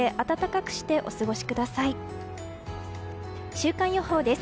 週間予報です。